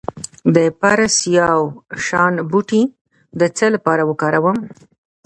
د پرسیاوشان بوټی د څه لپاره وکاروم؟